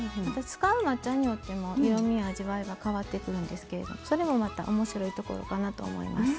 使う抹茶によっても色味や味わいが変わってくるんですけれどそれもまた面白いところかなと思います。